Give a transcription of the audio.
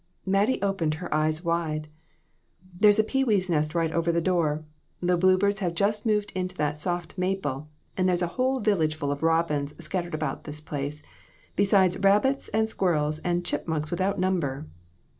Mattie opened her eyes wide. "There's a pewee's nest right over this door. The bluebirds have just moved into that soft maple, and there's a whole village full of robins scattered about this place, besides rabbits and squirrels and chipmunks without number."